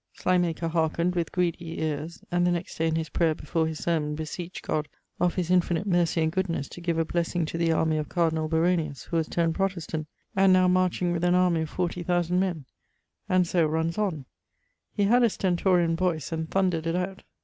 Slymaker hearkned with greedy eares, and the next day in his prayer before his sermon[O], beseeched God'of his infinite mercy and goodnesse to give a blessing to the army of cardinall Baronius, who was turnd Protestant, and now marching with an army of forty thousand men,' and so runnes on: he had a Stentorian voice, and thunderd it out.